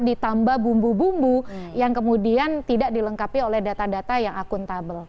ditambah bumbu bumbu yang kemudian tidak dilengkapi oleh data data yang akuntabel